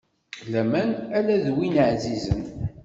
Laman ala d win ɛzizen.